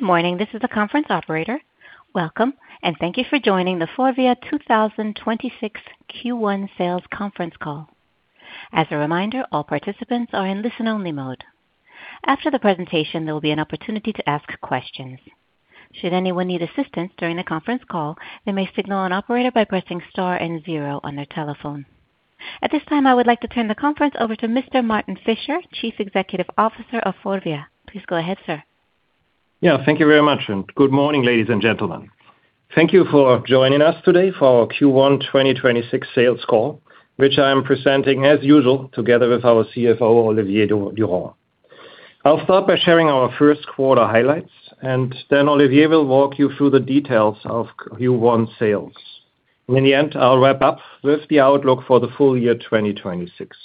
Good morning. This is the conference operator. Welcome, and thank you for joining the Forvia 2026 Q1 Sales conference call. As a reminder, all participants are in listen-only mode. After the presentation, there will be an opportunity to ask questions. Should anyone need assistance during the conference call, they may signal an operator by pressing star and zero on their telephone. At this time, I would like to turn the conference over to Mr. Martin Fischer, Chief Executive Officer of Forvia. Please go ahead, sir. Yeah. Thank you very much, and good morning, ladies and gentlemen. Thank you for joining us today for our Q1 2026 sales call, which I am presenting as usual, together with our CFO, Olivier Durand. I'll start by sharing our first quarter highlights, and then Olivier will walk you through the details of Q1 sales. In the end, I'll wrap up with the outlook for the full year 2026.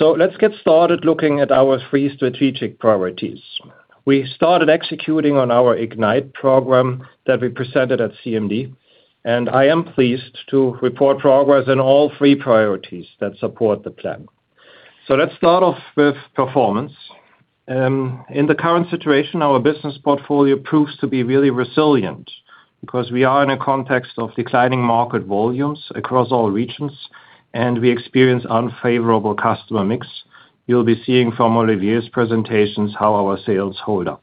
Let's get started looking at our three strategic priorities. We started executing on our IGNITE program that we presented at CMD, and I am pleased to report progress in all three priorities that support the plan. Let's start off with performance. In the current situation, our business portfolio proves to be really resilient because we are in a context of declining market volumes across all regions, and we experience unfavorable customer mix. You'll be seeing from Olivier's presentations how our sales hold up.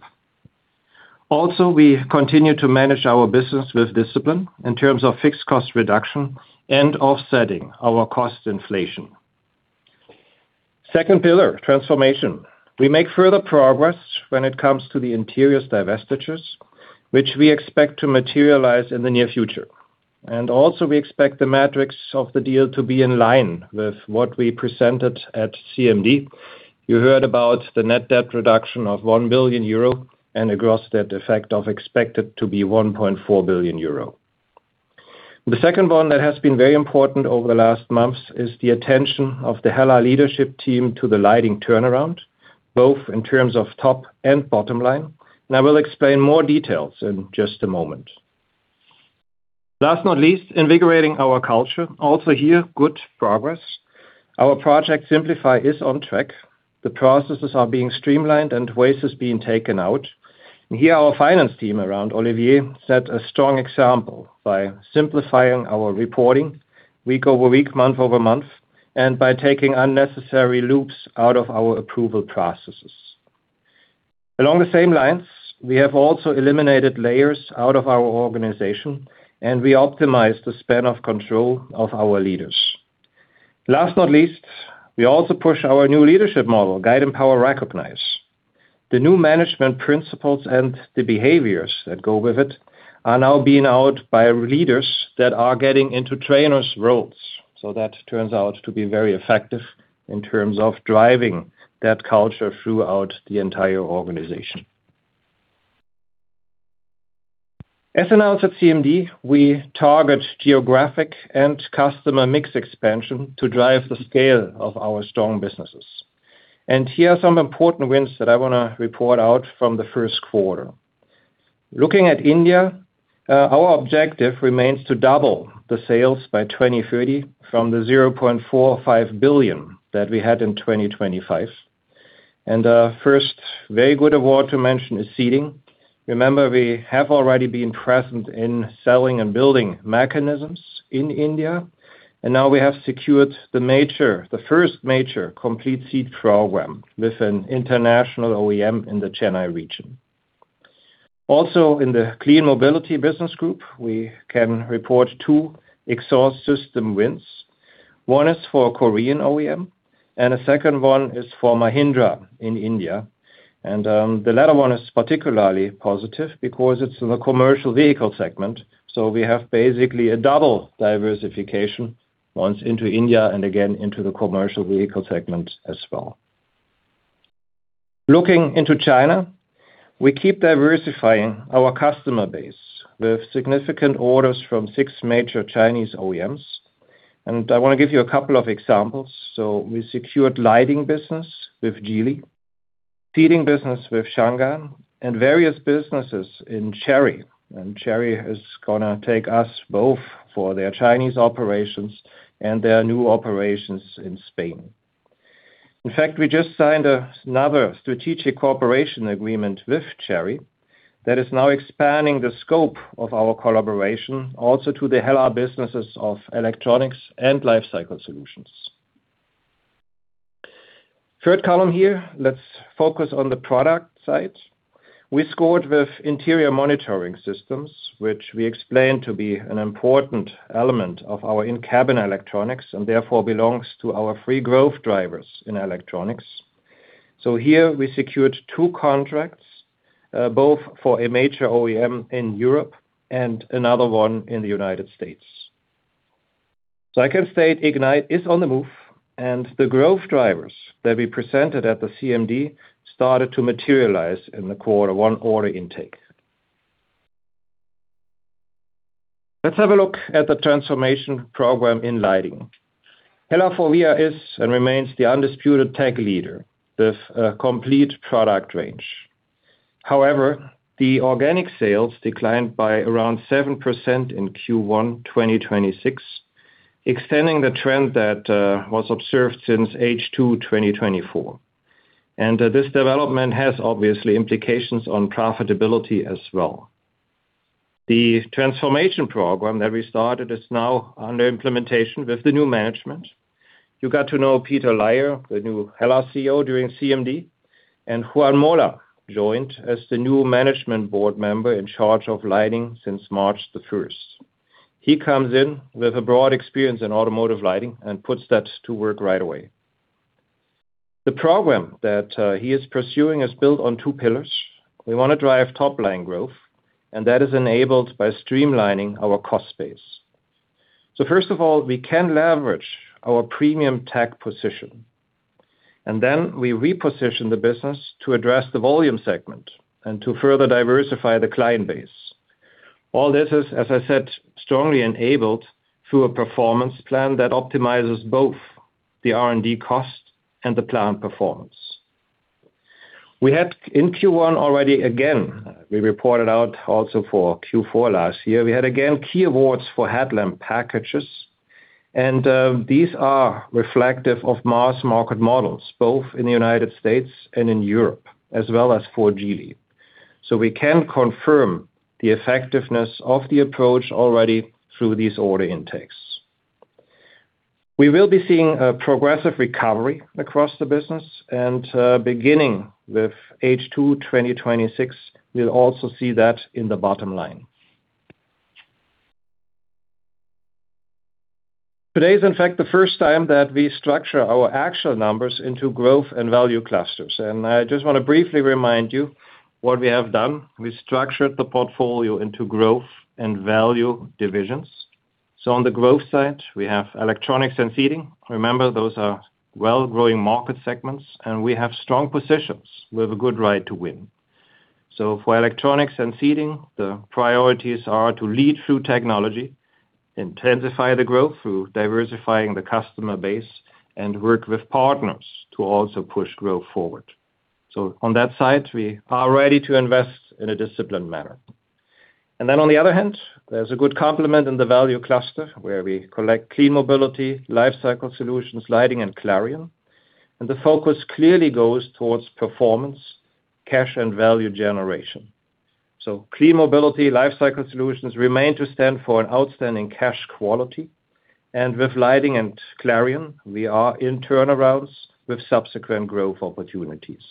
Also, we continue to manage our business with discipline in terms of fixed cost reduction and offsetting our cost inflation. Second pillar, transformation. We make further progress when it comes to the Interiors divestitures, which we expect to materialize in the near future. Also we expect the metrics of the deal to be in line with what we presented at CMD. You heard about the net debt reduction of 1 billion euro and the effect of that expected to be 1.4 billion euro. The second one that has been very important over the last months is the attention of the HELLA leadership team to the Lighting turnaround, both in terms of top and bottom line. I will explain more details in just a moment. Last but not least, invigorating our culture. Also here, good progress. Our project SIMPLIFY is on track. The processes are being streamlined and waste is being taken out. Here our finance team around Olivier set a strong example by simplifying our reporting week over week, month over month, and by taking unnecessary loops out of our approval processes. Along the same lines, we have also eliminated layers out of our organization, and we optimized the span of control of our leaders. Last but not least, we also push our new leadership model, Guide & Empower, Recognize. The new management principles and the behaviors that go with it are now being rolled out by leaders that are getting into trainers' roles, so that turns out to be very effective in terms of driving that culture throughout the entire organization. As announced at CMD, we target geographic and customer mix expansion to drive the scale of our strong businesses. Here are some important wins that I want to report out from the first quarter. Looking at India, our objective remains to double the sales by 2030 from the 0.45 billion that we had in 2025. Our first very good award to mention is Seating. Remember, we have already been present in seating and building mechanisms in India, and now we have secured the first major complete seat program with an international OEM in the Chennai region. Also, in the Clean Mobility business group, we can report two exhaust system wins. One is for a Korean OEM and the second one is for Mahindra in India. The latter one is particularly positive because it's in the commercial vehicle segment, so we have basically a double diversification. One is into India and again into the commercial vehicle segment as well. Looking into China, we keep diversifying our customer base with significant orders from six major Chinese OEMs. I want to give you a couple of examples. We secured Lighting business with Geely, Seating business with Changan, and various businesses in Chery. Chery is gonna take us both for their Chinese operations and their new operations in Spain. In fact, we just signed another strategic cooperation agreement with Chery that is now expanding the scope of our collaboration also to the HELLA businesses of Electronics and Lifecycle Solutions. Third column here, let's focus on the product side. We scored with Interior Monitoring Systems, which we explained to be an important element of our in-cabin electronics and therefore belongs to our key growth drivers in Electronics. Here we secured two contracts, both for a major OEM in Europe and another one in the United States. I can state IGNITE is on the move, and the growth drivers that we presented at the CMD started to materialize in the quarter one order intake. Let's have a look at the transformation program in lighting. FORVIA HELLA is and remains the undisputed tech leader with a complete product range. However, the organic sales declined by around 7% in Q1 2026. Extending the trend that was observed since H2 2024. This development has obvious implications on profitability as well. The transformation program that we started is now under implementation with the new management. You got to know Peter Laier, the new FORVIA HELLA CEO, during CMD, and Joan Mola joined as the new management board member in charge of lighting since March 1st. He comes in with a broad experience in automotive lighting and puts that to work right away. The program that he is pursuing is built on two pillars. We want to drive top-line growth, and that is enabled by streamlining our cost base. First of all, we can leverage our premium tech position, and then we reposition the business to address the volume segment and to further diversify the client base. All this is, as I said, strongly enabled through a performance plan that optimizes both the R&D cost and the plant performance. We had in Q1 already, again, we reported out also for Q4 last year, we had again key awards for headlamp packages. These are reflective of mass market models, both in the United States and in Europe, as well as for Geely. We can confirm the effectiveness of the approach already through these order intakes. We will be seeing a progressive recovery across the business and, beginning with H2 2026, we'll also see that in the bottom line. Today is, in fact, the first time that we structure our actual numbers into growth and value clusters. I just want to briefly remind you what we have done. We structured the portfolio into growth and value divisions. On the growth side, we have Electronics and Seating. Remember, those are well-growing market segments, and we have strong positions. We have a good right to win. For Electronics and Seating, the priorities are to lead through technology, intensify the growth through diversifying the customer base, and work with partners to also push growth forward. On that side, we are ready to invest in a disciplined manner. Then on the other hand, there's a good complement in the value cluster, where we collect Clean Mobility, Lifecycle Solutions, Lighting, and Clarion. The focus clearly goes towards performance, cash, and value generation. Clean Mobility, Lifecycle Solutions remain to stand for an outstanding cash quality. With Lighting and Clarion, we are in turnarounds with subsequent growth opportunities.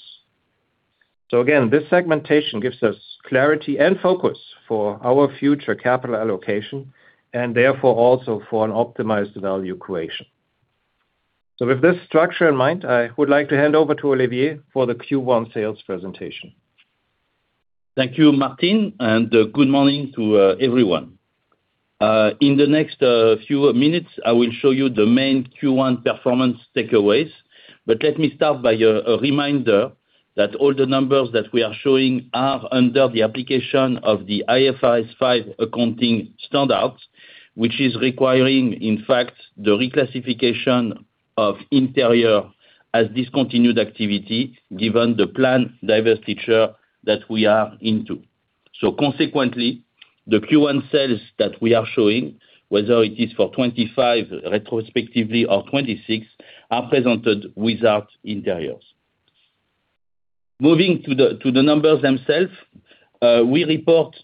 Again, this segmentation gives us clarity and focus for our future capital allocation and therefore also for an optimized value creation. With this structure in mind, I would like to hand over to Olivier for the Q1 sales presentation. Thank you, Martin, and good morning to everyone. In the next few minutes, I will show you the main Q1 performance takeaways. Let me start by a reminder that all the numbers that we are showing are under the application of the IFRS 5 accounting standards, which is requiring, in fact, the reclassification of Interiors as discontinued activity, given the plan divestiture that we are into. Consequently, the Q1 sales that we are showing, whether it is for 2025 retrospectively or 2026, are presented without Interiors. Moving to the numbers themselves, we report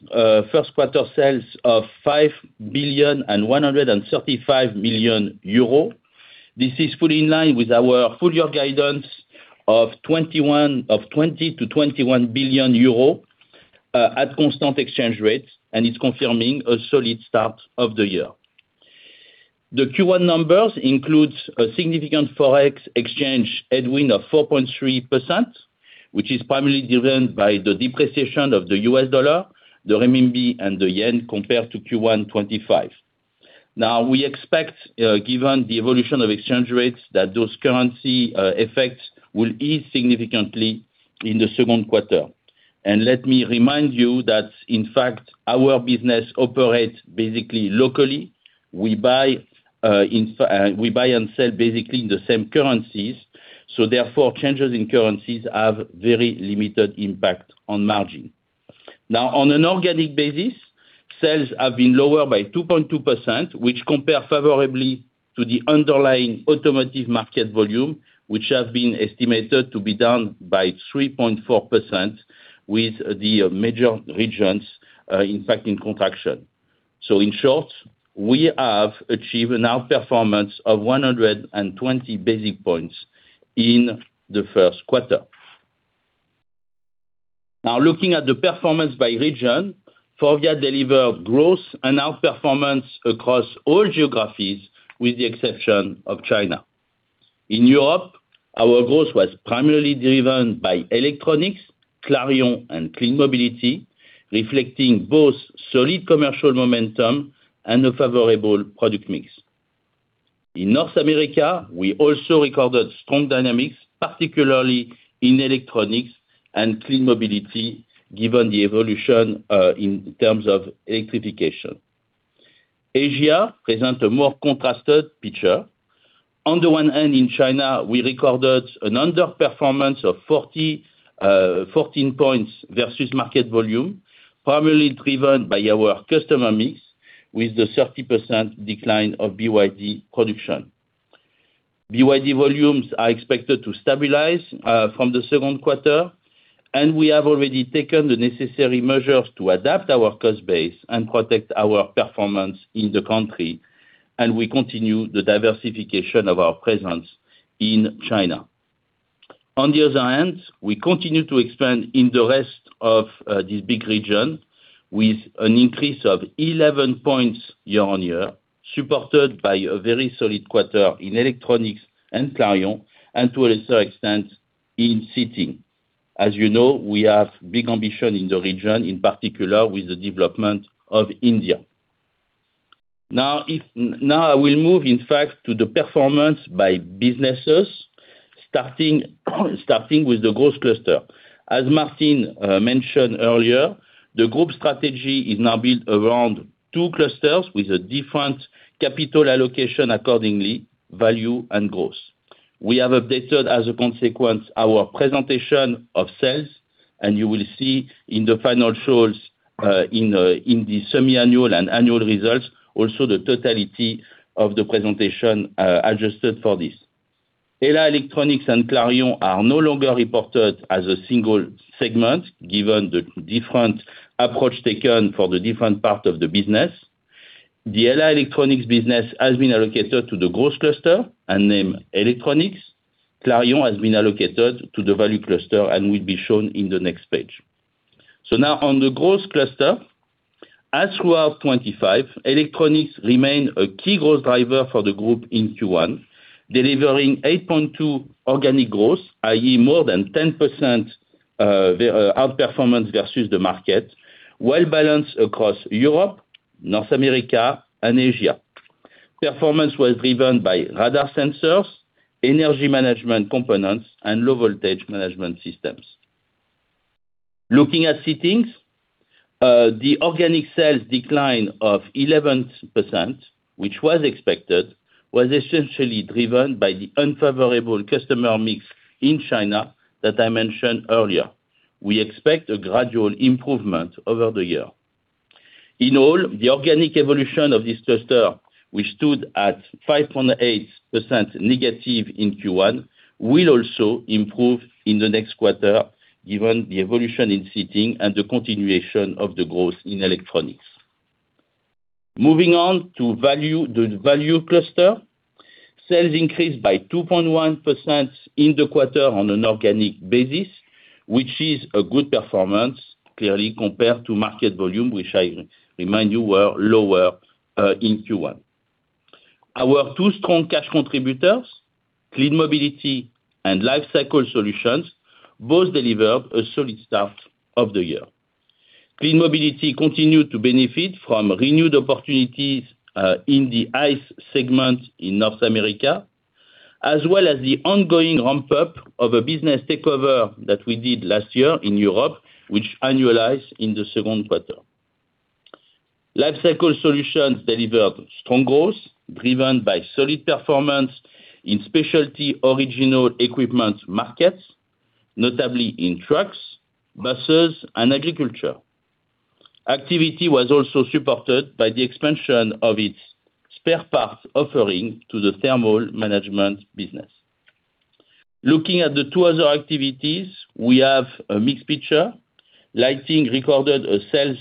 first quarter sales of 5.135 billion. This is fully in line with our full year guidance of 20 billion-21 billion euro at constant exchange rates and is confirming a solid start of the year. The Q1 numbers includes a significant Forex exchange headwind of 4.3%, which is primarily driven by the depreciation of the US dollar, the renminbi, and the yen compared to Q1 2025. Now, we expect, given the evolution of exchange rates, that those currency effects will ease significantly in the second quarter. Let me remind you that, in fact, our business operates basically locally. We buy and sell basically the same currencies, so therefore, changes in currencies have very limited impact on margin. Now, on an organic basis, sales have been lower by 2.2%, which compare favorably to the underlying automotive market volume, which has been estimated to be down by 3.4% with the major regions, in fact, in contraction. In short, we have achieved an outperformance of 120 basis points in the first quarter. Now looking at the performance by region, Forvia delivered growth and outperformance across all geographies, with the exception of China. In Europe, our growth was primarily driven by Electronics, Clarion, and Clean Mobility, reflecting both solid commercial momentum and a favorable product mix. In North America, we also recorded strong dynamics, particularly in Electronics and Clean Mobility, given the evolution in terms of electrification. Asia presents a more contrasted picture. On the one hand, in China, we recorded an underperformance of 14 points versus market volume, primarily driven by our customer mix, with the 30% decline of BYD production. BYD volumes are expected to stabilize from the second quarter, and we have already taken the necessary measures to adapt our cost base and protect our performance in the country, and we continue the diversification of our presence in China. On the other hand, we continue to expand in the rest of this big region with an increase of 11% year-on-year, supported by a very solid quarter in Electronics and Clarion, and to a lesser extent, in Seating. As you know, we have big ambition in the region, in particular with the development of India. Now, I will move in fact to the performance by businesses, starting with the Growth cluster. As Martin mentioned earlier, the group strategy is now built around two clusters with a different capital allocation accordingly, Value and Growth. We have updated, as a consequence, our presentation of sales, and you will see in the final slides, in the semi-annual and annual results, also the totality of the presentation adjusted for this. HELLA Electronics and Clarion are no longer reported as a single segment, given the different approach taken for the different parts of the business. The HELLA Electronics business has been allocated to the growth cluster and named Electronics. Clarion has been allocated to the value cluster and will be shown in the next page. Now on the growth cluster. As throughout 2025, Electronics remained a key growth driver for the group in Q1, delivering 8.2% organic growth, i.e., more than 10% outperformance versus the market, well-balanced across Europe, North America, and Asia. Performance was driven by radar sensors, energy management components, and low-voltage management systems. Looking at Seating, the organic sales decline of 11%, which was expected, was essentially driven by the unfavorable customer mix in China that I mentioned earlier. We expect a gradual improvement over the year. In all, the organic evolution of this cluster, which stood at -5.8% in Q1, will also improve in the next quarter given the evolution in Seating and the continuation of the growth in Electronics. Moving on to the value cluster. Sales increased by 2.1% in the quarter on an organic basis, which is a good performance, clearly, compared to market volume, which I remind you were lower in Q1. Our two strong cash contributors, Clean Mobility and Lifecycle Solutions, both delivered a solid start of the year. Clean Mobility continued to benefit from renewed opportunities in the ICE segment in North America, as well as the ongoing ramp-up of a business takeover that we did last year in Europe, which annualize in the second quarter. Lifecycle Solutions delivered strong growth driven by solid performance in specialty original equipment markets, notably in trucks, buses, and agriculture. Activity was also supported by the expansion of its spare parts offering to the thermal management business. Looking at the two other activities, we have a mixed picture. Lighting recorded a sales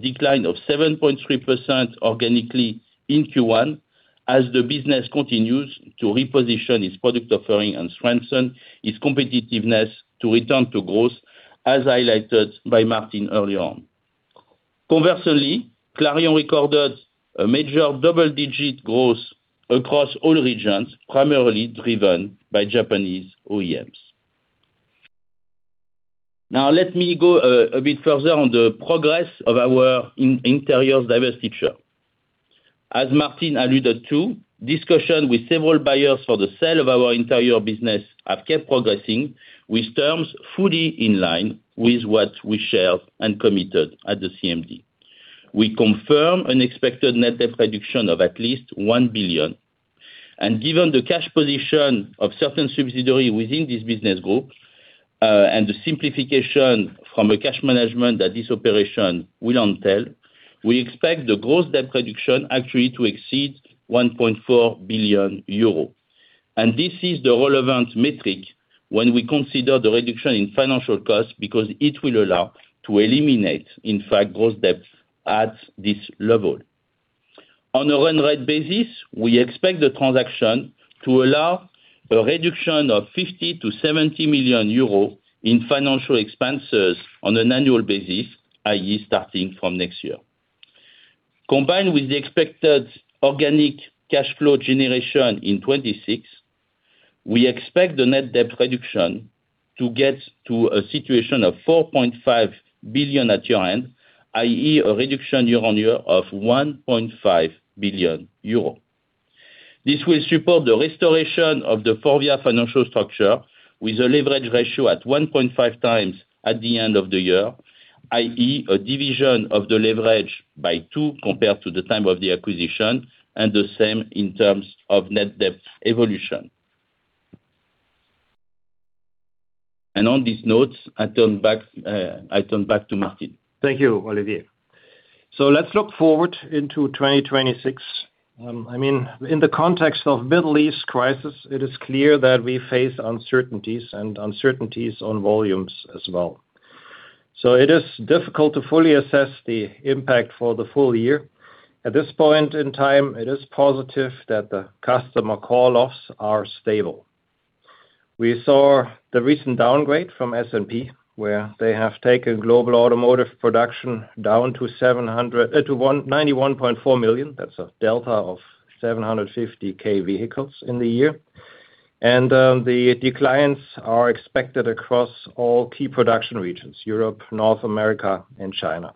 decline of 7.3% organically in Q1 as the business continues to reposition its product offering and strengthen its competitiveness to return to growth, as highlighted by Martin earlier on. Conversely, Clarion recorded a major double-digit growth across all regions, primarily driven by Japanese OEMs. Now let me go a bit further on the progress of our Interiors divestiture. As Martin alluded to, discussion with several buyers for the sale of our Interiors business have kept progressing, with terms fully in line with what we shared and committed at the CMD. We confirm an expected net debt reduction of at least 1 billion. Given the cash position of certain subsidiary within this business group, and the simplification from a cash management that this operation will entail, we expect the gross debt reduction actually to exceed 1.4 billion euros. This is the relevant metric when we consider the reduction in financial cost, because it will allow to eliminate, in fact, gross debt at this level. On a run-rate basis, we expect the transaction to allow a reduction of 50 million-70 million euros in financial expenses on an annual basis, i.e., starting from next year. Combined with the expected organic cash flow generation in 2026, we expect the net debt reduction to get to a situation of 4.5 billion at year-end, i.e., a reduction year-on-year of 1.5 billion euro. This will support the restoration of the Forvia financial structure with a leverage ratio at 1.5x at the end of the year, i.e., a division of the leverage by two compared to the time of the acquisition, and the same in terms of net debt evolution. On these notes, I turn back to Martin. Thank you, Olivier. Let's look forward into 2026. In the context of Middle East crisis, it is clear that we face uncertainties on volumes as well. It is difficult to fully assess the impact for the full year. At this point in time, it is positive that the customer call-offs are stable. We saw the recent downgrade from S&P, where they have taken global automotive production down to 91.4 million. That's a delta of 750,000 vehicles in the year. The declines are expected across all key production regions, Europe, North America, and China.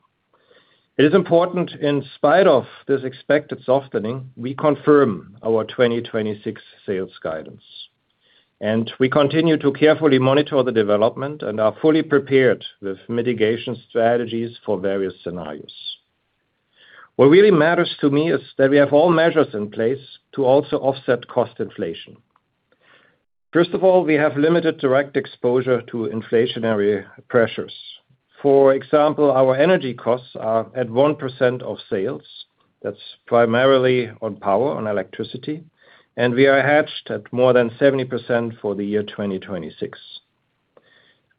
It is important. In spite of this expected softening, we confirm our 2026 sales guidance. We continue to carefully monitor the development and are fully prepared with mitigation strategies for various scenarios. What really matters to me is that we have all measures in place to also offset cost inflation. First of all, we have limited direct exposure to inflationary pressures. For example, our energy costs are at 1% of sales. That's primarily on power, on electricity, and we are hedged at more than 70% for the year 2026.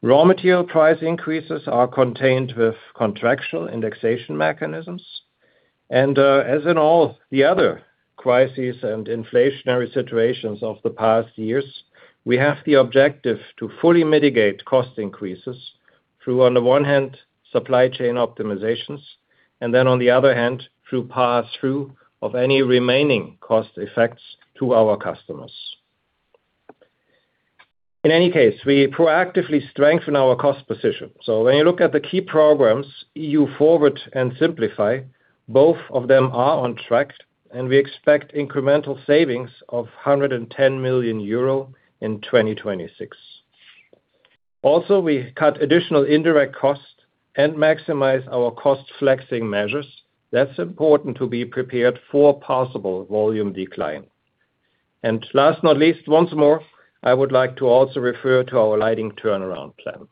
Raw material price increases are contained with contractual indexation mechanisms. As in all the other crises and inflationary situations of the past years, we have the objective to fully mitigate cost increases through, on the one hand, supply chain optimizations, and then on the other hand, through pass-through of any remaining cost effects to our customers. In any case, we proactively strengthen our cost position. When you look at the key programs, EU-FORWARD and SIMPLIFY, both of them are on track, and we expect incremental savings of 110 million euro in 2026. Also, we cut additional indirect costs and maximize our cost flexing measures. That's important to be prepared for possible volume decline. Last but not least, once more, I would like to also refer to our Lighting turnaround plan.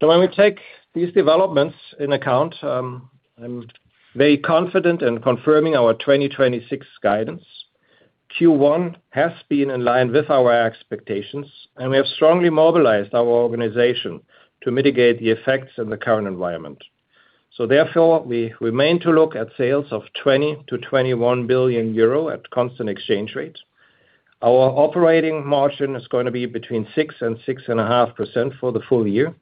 When we take these developments into account, I'm very confident in confirming our 2026 guidance. Q1 has been in line with our expectations, and we have strongly mobilized our organization to mitigate the effects in the current environment. Therefore, we remain to look at sales of 20 billion-21 billion euro at constant exchange rates. Our operating margin is going to be between 6%-6.5% for the full year.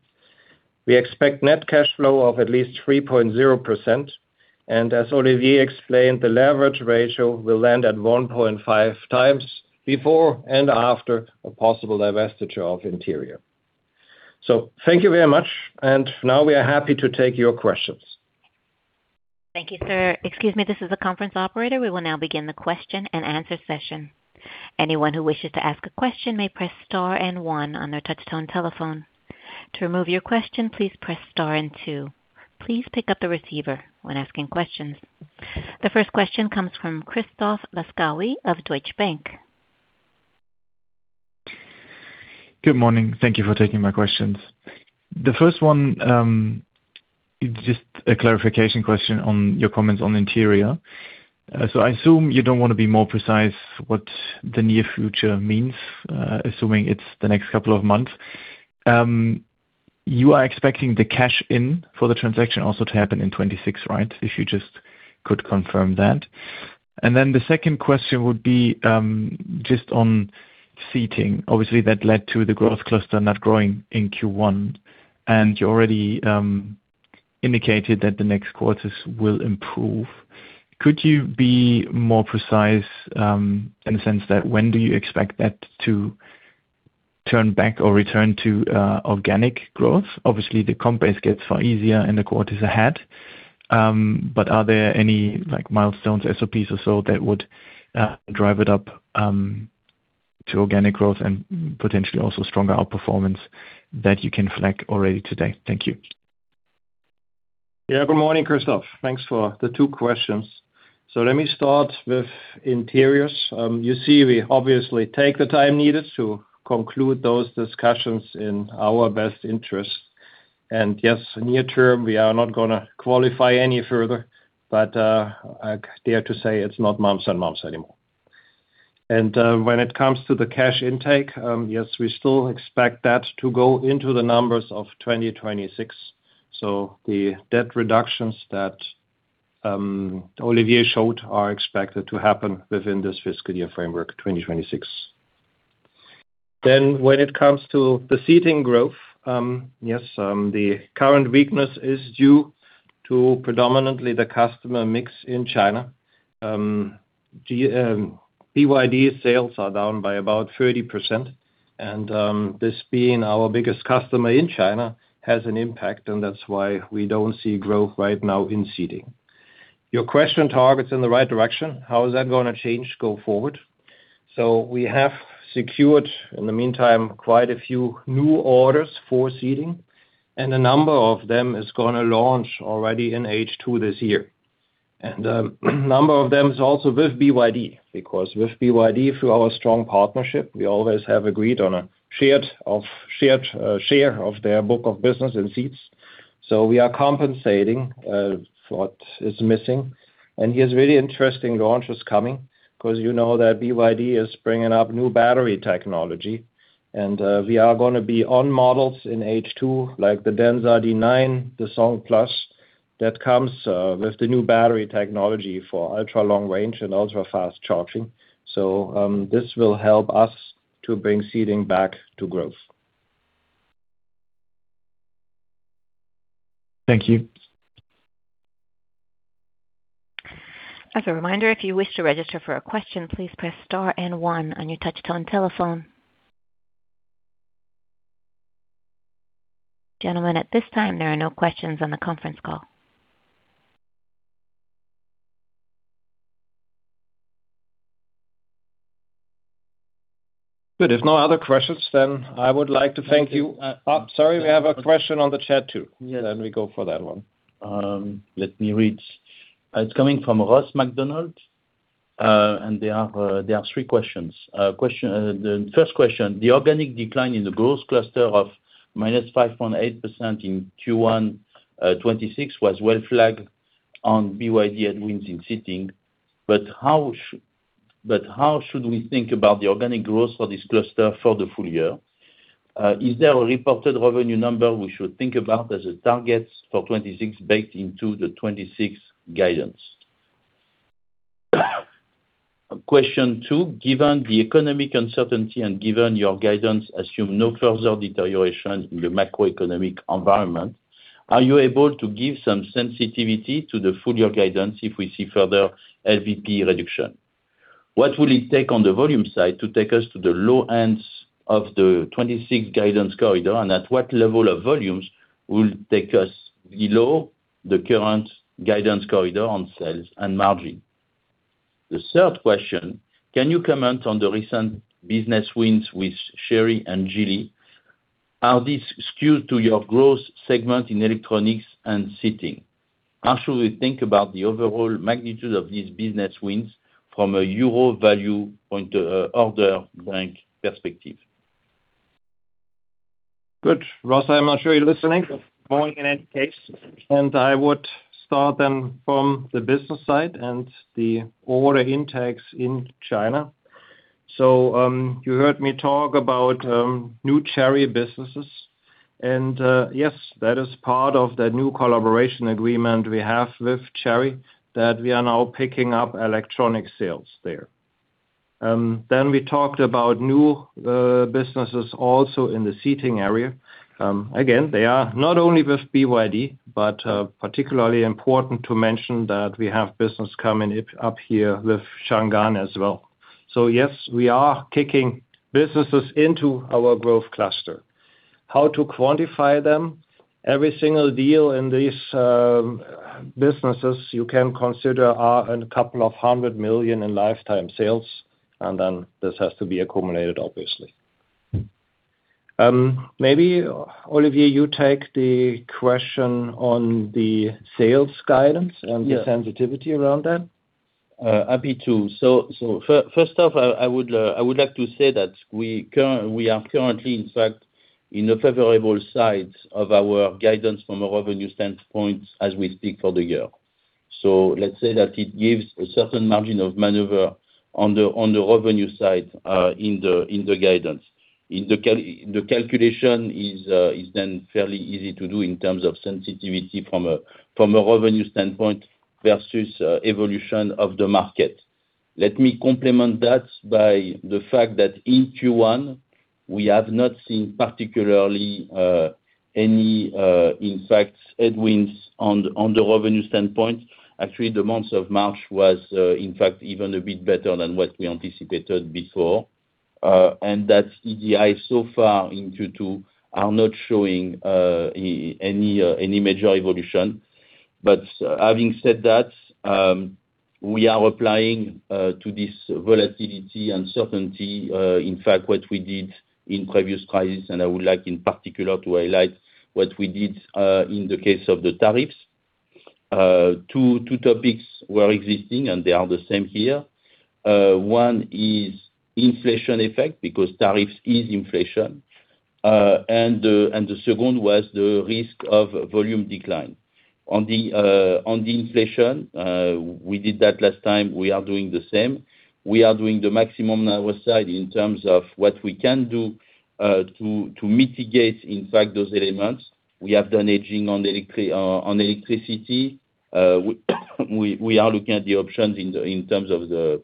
We expect net cash flow of at least 3.0%, and as Olivier explained, the leverage ratio will land at 1.5 times before and after a possible divestiture of Interiors. Thank you very much, and now we are happy to take your questions. Thank you, sir. Excuse me, this is the conference operator. We will now begin the question-and-answer session. Anyone who wishes to ask a question may press star and one on their touch-tone telephone. To remove your question, please press star and two. Please pick up the receiver when asking questions. The first question comes from Christoph Laskawi of Deutsche Bank. Good morning. Thank you for taking my questions. The first one, it's just a clarification question on your comments on Interiors. So I assume you don't want to be more precise what the near future means, assuming it's the next couple of months. You are expecting the cash in for the transaction also to happen in 2026, right? If you just could confirm that. The second question would be, just on Seating. Obviously, that led to the growth cluster not growing in Q1, and you already indicated that the next quarters will improve. Could you be more precise, in the sense that when do you expect that to turn back or return to organic growth? Obviously, the comp base gets far easier in the quarters ahead, but are there any milestones, SOPs or so that would drive it up to organic growth and potentially also stronger outperformance that you can flag already today? Thank you. Yeah. Good morning, Christoph. Thanks for the two questions. Let me start with Interiors. You see, we obviously take the time needed to conclude those discussions in our best interest. Yes, near term, we are not going to qualify any further. I dare to say it's not months and months anymore. When it comes to the cash intake, yes, we still expect that to go into the numbers of 2026. The debt reductions that Olivier showed are expected to happen within this fiscal year framework, 2026. When it comes to the Seating growth, yes, the current weakness is due to predominantly the customer mix in China. BYD sales are down by about 30%, and this being our biggest customer in China has an impact, and that's why we don't see growth right now in Seating. Your question targets in the right direction. How is that going to change going forward? We have secured, in the meantime, quite a few new orders for Seating, and a number of them is going to launch already in H2 this year. A number of them is also with BYD, because with BYD, through our strong partnership, we always have agreed on a share of their book of business and seats. We are compensating for what is missing. Here's really interesting launches coming, because you know that BYD is bringing up new battery technology, and we are going to be on models in H2, like the Denza D9, the Song Plus, that comes with the new battery technology for ultra-long range and ultra-fast charging. This will help us to bring Seating back to growth. Thank you. As a reminder, if you wish to register for a question, please press star and one on your touch-tone telephone. Gentlemen, at this time, there are no questions on the conference call. Good. If no other questions, then I would like to thank you. Sorry, we have a question on the chat, too. We go for that one. Let me read. It's coming from Ross McDonald, and there are three questions. The first question, the organic decline in the growth cluster of -5.8% in Q1 2026 was well flagged on BYD headwinds in seating. How should we think about the organic growth for this cluster for the full year? Is there a reported revenue number we should think about as a target for 2026 baked into the 2026 guidance? Question two, given the economic uncertainty and given your guidance assume no further deterioration in the macroeconomic environment, are you able to give some sensitivity to the full year guidance if we see further LVP reduction? What will it take on the volume side to take us to the low ends of the 2026 guidance corridor, and at what level of volumes will take us below the current guidance corridor on sales and margin? The third question, can you comment on the recent business wins with Chery and Geely? Are these skewed to your growth segment in Electronics and Seating? How should we think about the overall magnitude of these business wins from a euro value point, order book perspective? Good. Ross, I'm not sure you're listening. Going in any case, I would start then from the business side and the order intakes in China. You heard me talk about new Chery businesses. Yes, that is part of the new collaboration agreement we have with Chery, that we are now picking up Electronics sales there. We talked about new businesses also in the Seating area. Again, they are not only with BYD, but particularly important to mention that we have business coming up here with Changan as well. Yes, we are kicking businesses into our growth cluster. How to quantify them? Every single deal in these businesses you can consider are in a couple of 100 million in lifetime sales. Then this has to be accumulated, obviously. Maybe, Olivier, you take the question on the sales guidance. Yeah. the sensitivity around that. Happy to. First off, I would like to say that we are currently, in fact, in a favorable side of our guidance from a revenue standpoint as we speak for the year. Let's say that it gives a certain margin of maneuver on the revenue side in the guidance. The calculation is then fairly easy to do in terms of sensitivity from a revenue standpoint versus evolution of the market. Let me complement that by the fact that in Q1, we have not seen particularly any impacts, headwinds on the revenue standpoint. Actually, the month of March was, in fact, even a bit better than what we anticipated before. That's the data so far in Q2 are not showing any major evolution. Having said that, we are applying to this volatility and uncertainty, in fact, what we did in previous crises, and I would like in particular to highlight what we did, in the case of the tariffs. Two topics were existing, and they are the same here. One is inflation effect, because tariffs is inflation. The second was the risk of volume decline. On the inflation, we did that last time. We are doing the same. We are doing the maximum on our side in terms of what we can do to mitigate, in fact, those elements. We have done hedging on electricity. We are looking at the options in terms of the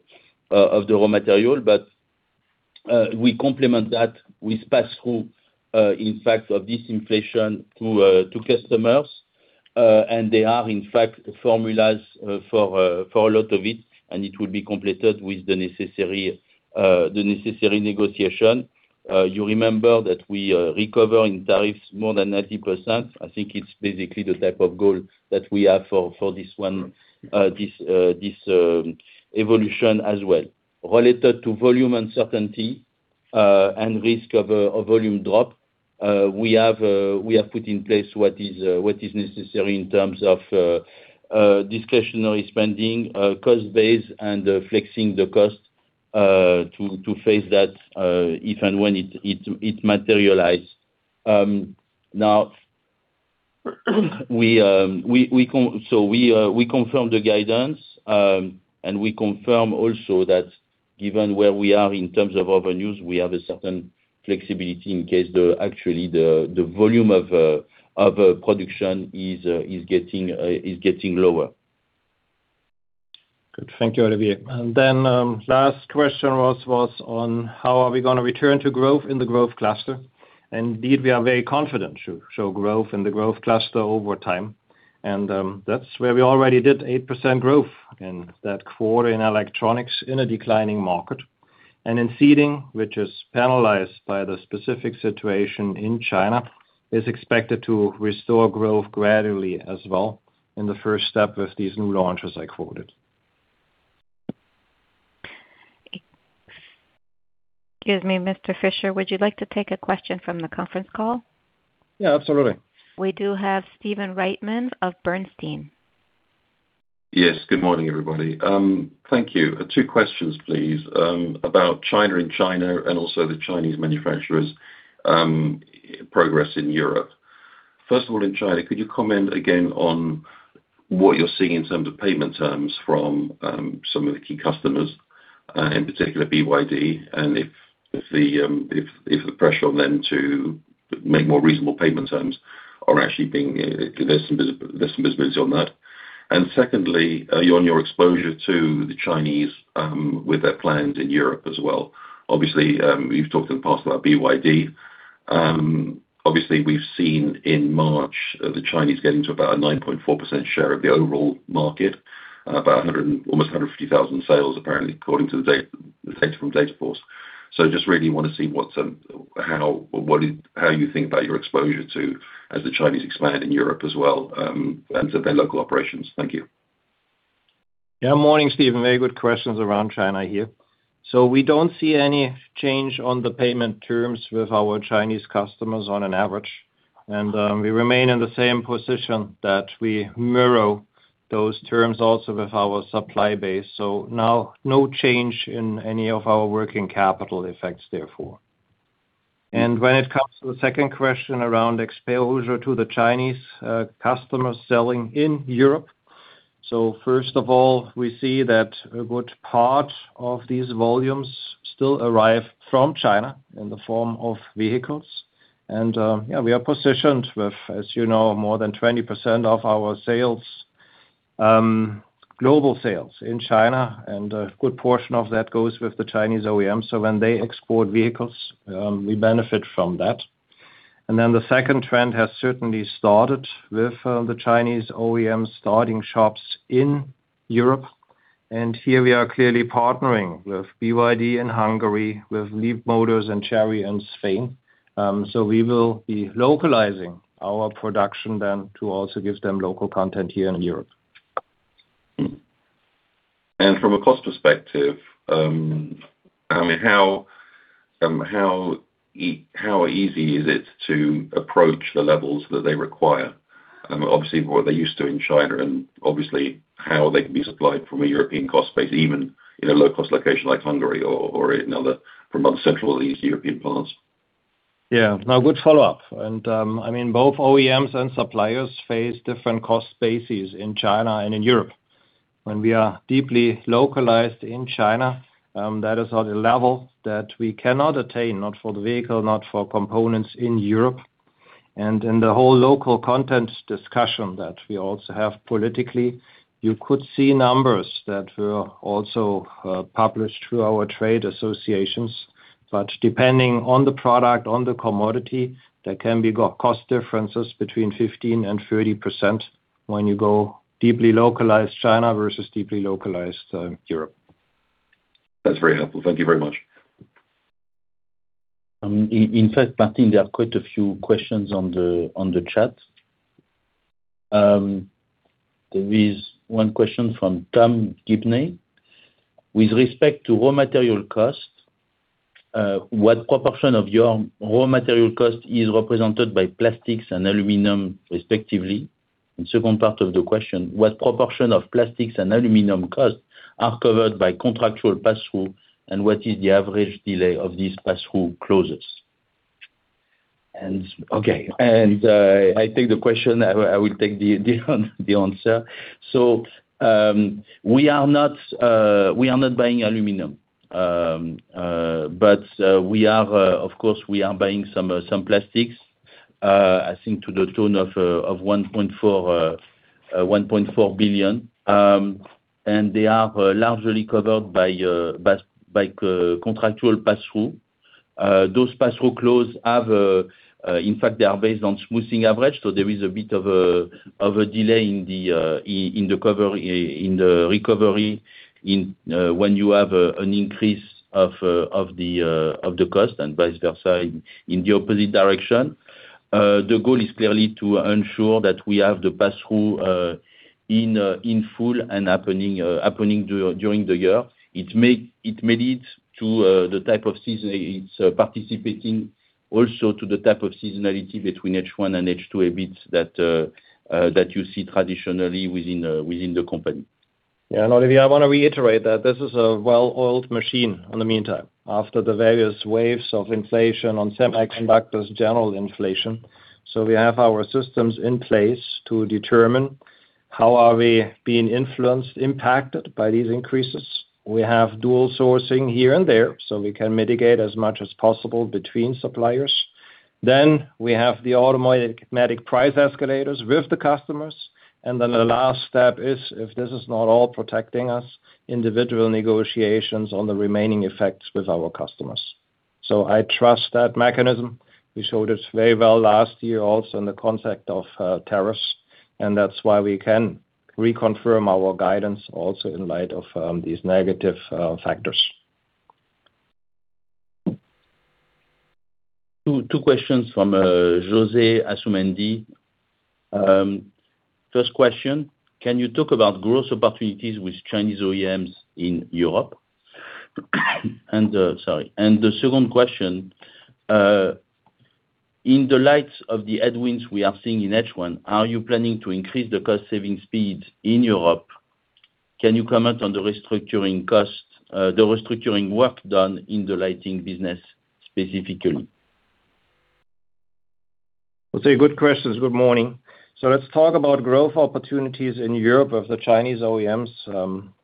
raw material. We complement that with pass-through, in fact, of this inflation to customers. They are, in fact, formulas for a lot of it, and it will be completed with the necessary negotiation. You remember that we recover in tariffs more than 90%. I think it's basically the type of goal that we have for this one, this evolution as well. Related to volume uncertainty and risk of a volume drop, we have put in place what is necessary in terms of discretionary spending, cost base, and flexing the cost to face that, if and when it materializes. Now, we confirm the guidance, and we confirm also that given where we are in terms of revenues, we have a certain flexibility in case actually the volume of production is getting lower. Good. Thank you, Olivier. Last question was on how are we going to return to growth in the growth cluster. Indeed, we are very confident to show growth in the growth cluster over time. That's where we already did 8% growth in that quarter in Electronics in a declining market. In Seating, which is penalized by the specific situation in China, is expected to restore growth gradually as well in the first step with these new launches I quoted. Excuse me, Mr. Fischer, would you like to take a question from the conference call? Yeah, absolutely. We do have Stephen Reitman of Bernstein. Yes. Good morning, everybody. Thank you. Two questions, please, about China and also the Chinese manufacturers' progress in Europe. First of all, in China, could you comment again on what you're seeing in terms of payment terms from some of the key customers, in particular BYD, and if the pressure on them to make more reasonable payment terms are actually. There's some visibility on that. Secondly, on your exposure to the Chinese, with their plans in Europe as well. Obviously, you've talked in the past about BYD. Obviously, we've seen in March the Chinese getting to about a 9.4% share of the overall market, about almost 150,000 sales, apparently, according to the data from Dataforce. I just really want to see how you think about your exposure to the Chinese as they expand in Europe as well, and to their local operations. Thank you. Yeah. Morning, Stephen. Very good questions around China here. We don't see any change on the payment terms with our Chinese customers on average. We remain in the same position that we mirror those terms also with our supply base. Now, no change in any of our working capital effects therefore. When it comes to the second question around exposure to the Chinese customers selling in Europe, first of all, we see that a good part of these volumes still arrive from China in the form of vehicles. Yeah, we are positioned with, as you know, more than 20% of our global sales in China, and a good portion of that goes with the Chinese OEM. When they export vehicles, we benefit from that. Then the second trend has certainly started with the Chinese OEM starting shops in Europe. Here we are clearly partnering with BYD in Hungary, with Leapmotor and Chery in Spain. We will be localizing our production then to also give them local content here in Europe. From a cost perspective, how easy is it to approach the levels that they require? Obviously more they're used to in China, and obviously how they can be supplied from a European cost base, even in a low-cost location like Hungary or in other Central and Eastern European parts. Yeah. No, good follow-up. Both OEMs and suppliers face different cost bases in China and in Europe. When we are deeply localized in China, that is on a level that we cannot attain, not for the vehicle, not for components in Europe. In the whole local content discussion that we also have politically, you could see numbers that were also published through our trade associations. Depending on the product, on the commodity, there can be cost differences between 15%-30% when you go deeply localized China versus deeply localized Europe. That's very helpful. Thank you very much. In fact, Martin, there are quite a few questions on the chat. There is one question from Tom Gibney. With respect to raw material costs, what proportion of your raw material cost is represented by plastics and aluminum, respectively? Second part of the question, what proportion of plastics and aluminum costs are covered by contractual pass-through, and what is the average delay of these pass-through closes? Okay. I take the question, I will take the answer. We are not buying aluminum. Of course, we are buying some plastics, I think to the tune of 1.4 billion. They are largely covered by contractual pass-through. Those pass-through clauses, in fact, they are based on smoothing averages, so there is a bit of a delay in the recovery when you have an increase of the cost and vice versa in the opposite direction. The goal is clearly to ensure that we have the pass-through in full and happening during the year. It adds to the type of seasonality between H1 and H2 a bit that you see traditionally within the company. Yeah. Olivier, I want to reiterate that this is a well-oiled machine in the meantime, after the various waves of inflation on semiconductors, general inflation. We have our systems in place to determine how are we being influenced, impacted by these increases. We have dual sourcing here and there, so we can mitigate as much as possible between suppliers. We have the automatic price escalators with the customers. The last step is if this is not all protecting us, individual negotiations on the remaining effects with our customers. I trust that mechanism. We showed it very well last year also in the context of tariffs, and that's why we can reconfirm our guidance also in light of these negative factors. Two questions from José Asumendi. First question, can you talk about growth opportunities with Chinese OEMs in Europe? Sorry. The second question, in the light of the headwinds we are seeing in H1, are you planning to increase the cost-saving speed in Europe? Can you comment on the restructuring work done in the Lighting business specifically? Those are good questions. Good morning. Let's talk about growth opportunities in Europe of the Chinese OEMs.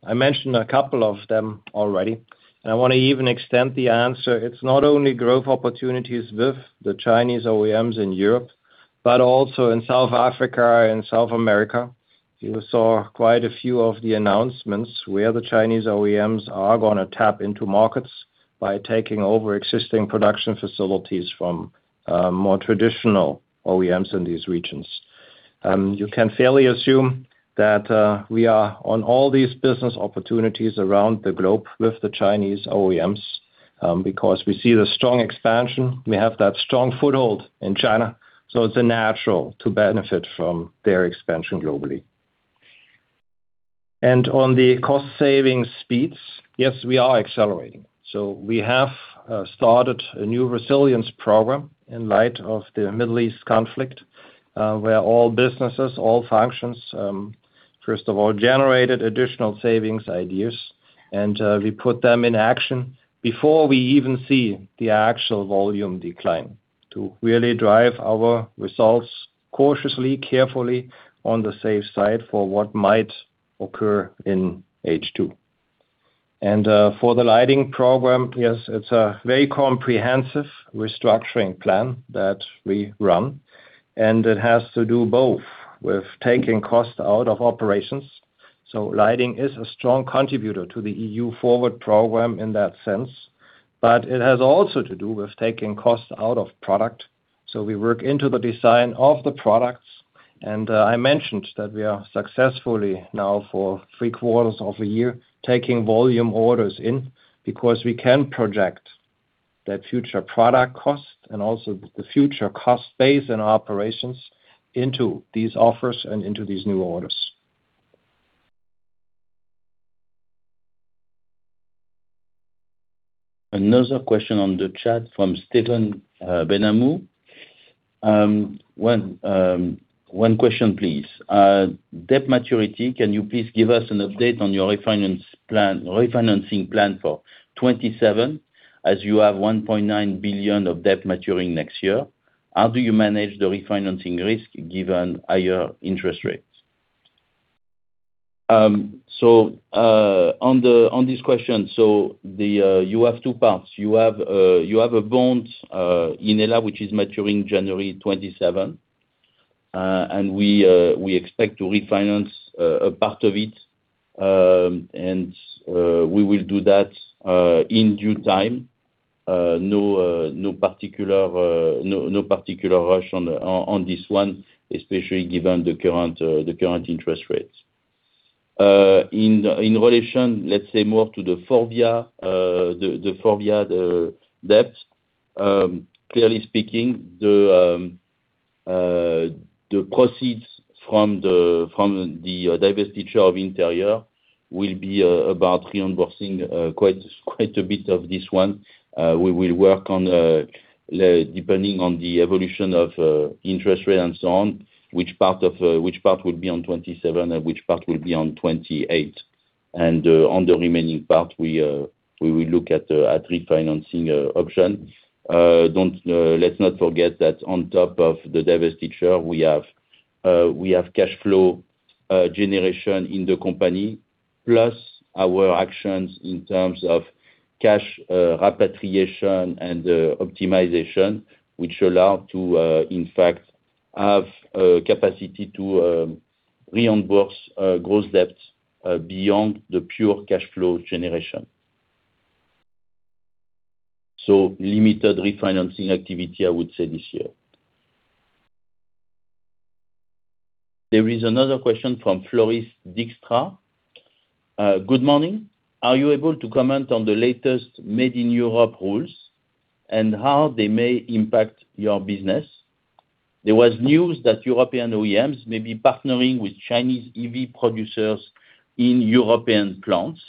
I mentioned a couple of them already, and I want to even extend the answer. It's not only growth opportunities with the Chinese OEMs in Europe, but also in South Africa and South America. You saw quite a few of the announcements where the Chinese OEMs are going to tap into markets by taking over existing production facilities from more traditional OEMs in these regions. You can fairly assume that we are on all these business opportunities around the globe with the Chinese OEMs, because we see the strong expansion. We have that strong foothold in China, so it's natural to benefit from their expansion globally. On the cost saving speeds, yes, we are accelerating. We have started a new resilience program in light of the Middle East conflict, where all businesses, all functions, first of all, generated additional savings ideas. We put them in action before we even see the actual volume decline to really drive our results cautiously, carefully on the safe side for what might occur in H2. For the Lighting program, yes, it's a very comprehensive restructuring plan that we run, and it has to do both with taking cost out of operations. Lighting is a strong contributor to the EU-FORWARD program in that sense. It has also to do with taking costs out of product. We work into the design of the products, and I mentioned that we are successfully now for three quarters of a year, taking volume orders in, because we can project that future product cost and also the future cost base and operations into these offers and into these new orders. Another question on the chat from Stephen Benhamou. One question, please. Debt maturity, can you please give us an update on your refinancing plan for 2027, as you have $1.9 billion of debt maturing next year? How do you manage the refinancing risk given higher interest rates? On this question, you have two parts. You have a bond, HELLA, which is maturing January 2027. We expect to refinance a part of it, and we will do that in due time. No particular rush on this one, especially given the current interest rates. In relation, let's say more to the Forvia, the debt. Clearly speaking, the proceeds from the divestiture of Interiors will be about reimbursing quite a bit of this one. We will work on, depending on the evolution of interest rate and so on, which part will be on 2027 and which part will be on 2028. On the remaining part, we will look at refinancing option. Let's not forget that on top of the divestiture we have cash flow generation in the company, plus our actions in terms of cash repatriation and optimization, which allow to, in fact, have capacity to reimburse gross debts beyond the pure cash flow generation. Limited refinancing activity I would say this year. There is another question from Floris Dykstra. Good morning. Are you able to comment on the latest Made in Europe rules, and how they may impact your business? There was news that European OEMs may be partnering with Chinese EV producers in European plants.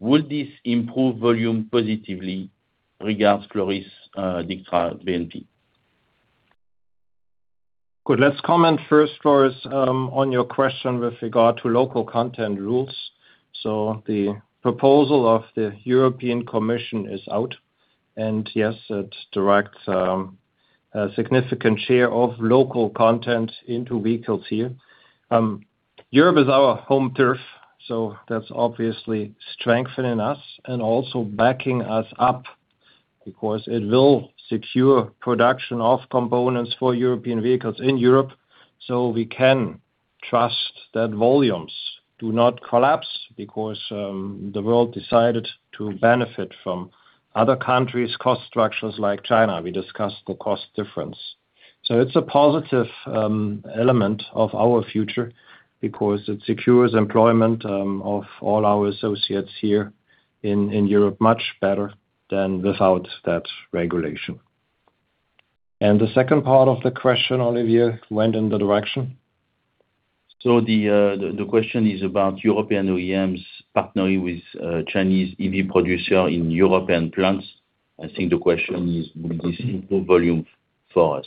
Would this improve volume positively? Regards, Floris Dykstra, BNP. Good. Let's comment first, Floris, on your question with regard to local content rules. The proposal of the European Commission is out, and yes, it directs a significant share of local content into vehicles here. Europe is our home turf, so that's obviously strengthening us and also backing us up because it will secure production of components for European vehicles in Europe, so we can trust that volumes do not collapse because the world decided to benefit from other countries' cost structures like China. We discussed the cost difference. It's a positive element of our future because it secures employment of all our associates here in Europe much better than without that regulation. The second part of the question, Olivier, went in the direction? The question is about European OEMs partnering with Chinese EV producer in European plants. I think the question is, would this improve volume for us?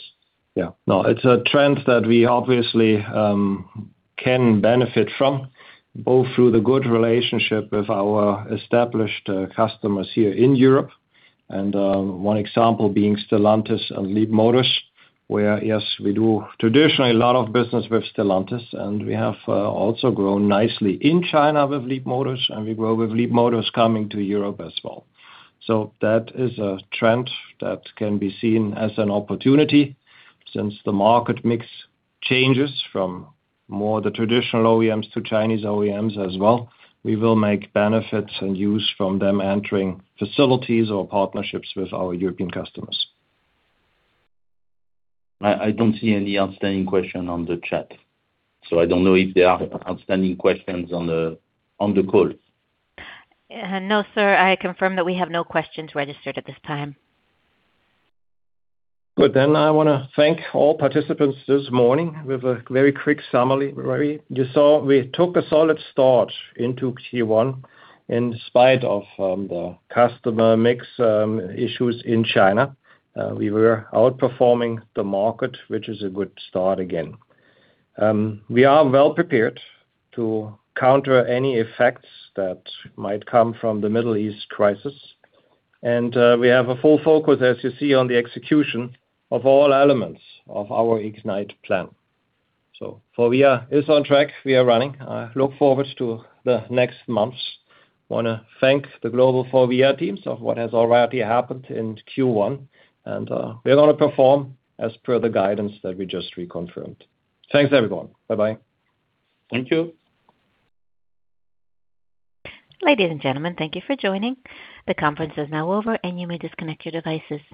Yeah. No. It's a trend that we obviously can benefit from, both through the good relationship with our established customers here in Europe, and one example being Stellantis and Leapmotor, where, yes, we do traditionally a lot of business with Stellantis, and we have also grown nicely in China with Leapmotor, and we grow with Leapmotor coming to Europe as well. That is a trend that can be seen as an opportunity since the market mix changes from more the traditional OEMs to Chinese OEMs as well. We will make benefits and use from them entering facilities or partnerships with our European customers. I don't see any outstanding question on the chat, so I don't know if there are outstanding questions on the call. No, sir. I confirm that we have no questions registered at this time. Good. I want to thank all participants this morning with a very quick summary. You saw we took a solid start into Q1. In spite of the customer mix issues in China, we were outperforming the market, which is a good start again. We are well prepared to counter any effects that might come from the Middle East crisis. We have a full focus, as you see, on the execution of all elements of our IGNITE plan. Forvia is on track, we are running. I look forward to the next months. I want to thank the global Forvia teams of what has already happened in Q1. We're going to perform as per the guidance that we just reconfirmed. Thanks, everyone. Bye-bye. Thank you. Ladies and gentlemen, thank you for joining. The conference is now over, and you may disconnect your devices.